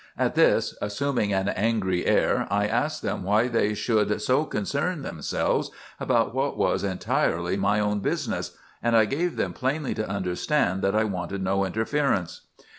"At this, assuming an angry air, I asked them why they should so concern themselves about what was entirely my own business; and I gave them plainly to understand that I wanted no interference.